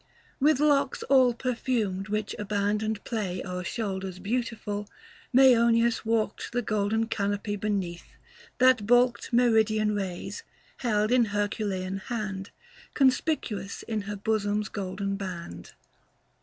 320 With locks all perfumed, which abandoned play O'er shoulders beautiful, Mseonis walked The golden canopy beneath, that baulked Meridian rays, held in Herculean hand, Conspicuous in her bosom's golden band.